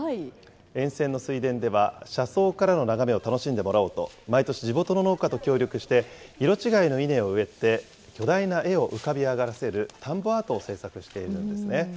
沿線の水田では、車窓からの眺めを楽しんでもらおうと、毎年、地元の農家と協力して、色違いの稲を植えて、巨大な絵を浮かび上がらせる田んぼアートを制作しているんですね。